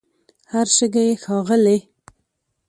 هر شګه یې ښاغلې